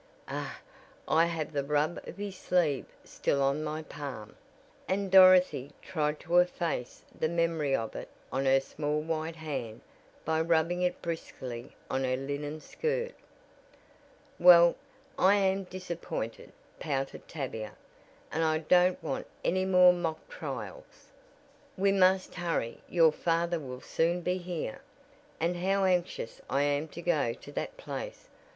Ugh, I have the rub of his sleeve still on my palm," and Dorothy tried to efface the memory of it on her small white hand by rubbing it briskly on her linen skirt. "Well, I am disappointed," pouted Tavia, "and I don't want any more mock trials." "We must hurry, your father will soon be here. And how anxious I am to go to that place.